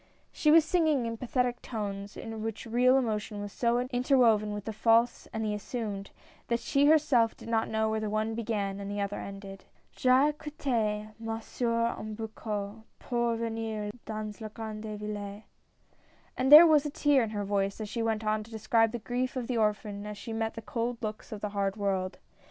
She was singing in pathetic tones, in which real emotion was so interwoven with the false and the assumed, that she herself did not know where the one began or the other ended. " J'ai quittee ma soeur au berceau Pour venir dans la grande ville." And there was a tear in her voice as she went on to describe the grief of the orphan as she met the cold looks of the hard world.